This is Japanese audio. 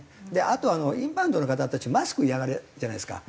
あとはインバウンドの方たちマスクイヤがるじゃないですか。